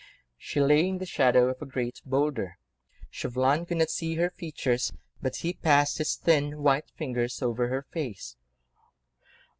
She lay in the shadow of a great boulder; Chauvelin could not see her features, but he passed his thin, white fingers over her face.